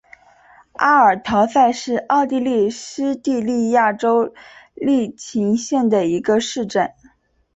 阿尔陶塞是奥地利施蒂利亚州利岑县的一个市镇。